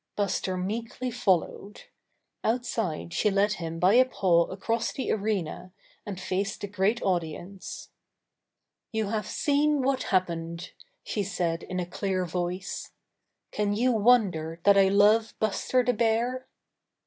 Buster meekly followed. Outside she led him by a paw across the arena, and faced the great audience. "You have seen what happened,'' she said in a clear voice. "Can you wonder that I love Buster the Bear?